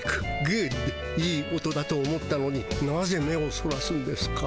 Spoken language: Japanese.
グッドいい音だと思ったのになぜ目をそらすんですか？